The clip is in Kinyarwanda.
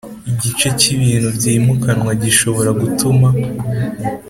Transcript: Igice cy ibintu byimukanwa gishobora gutuma